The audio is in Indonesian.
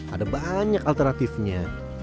ada banyak alternatifnya